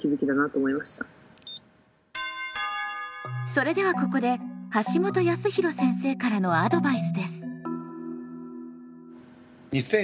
それではここで橋本康弘先生からのアドバイスです。